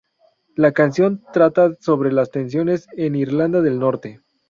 La canción trata sobre las tensiones en Irlanda del Norte.